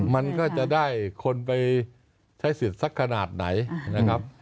มันก็จะได้คนไปใช้สิทธิ์สักขนาดไหนนะครับ